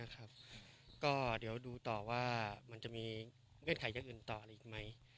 ก็เดี๋ยวดูต่อว่ามันจะมีเวกไขยักรณ์ต่ออีกไหม